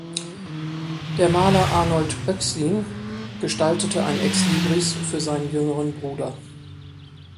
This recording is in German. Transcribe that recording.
Der Maler Arnold Oechslin gestaltete ein Exlibris für seinen jüngeren Bruder.